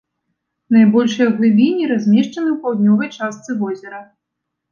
Найбольшыя глыбіні размешчаны ў паўднёвай частцы возера.